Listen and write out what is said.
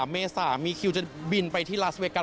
เมษามีคิวจะบินไปที่ลาสเวกัส